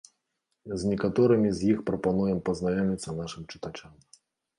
З некаторымі з іх прапануем пазнаёміцца нашым чытачам.